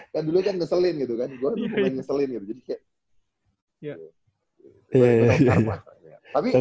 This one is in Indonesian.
kan dulu kan ngeselin gitu kan gue nungguin ngeselin gitu jadi kayak gue takut karma